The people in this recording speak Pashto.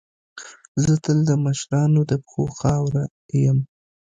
زه تل د مشرانو د پښو خاوره یم.